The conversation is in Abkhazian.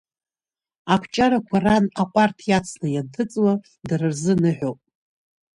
Акәҷарақәа ран аҟәарҭ иацны ианҭыҵуа, дара рзы ныҳәоуп.